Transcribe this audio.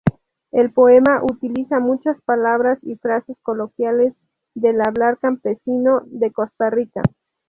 El poema utiliza muchas palabras y frases coloquiales del hablar campesino de Costa Rica.